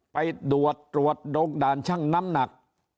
ไปตรวจตรวจดงด่านช่างน้ำหนัก